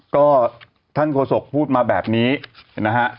ก็ท่านโฆษกพูดมาแบบนี้นะฮะ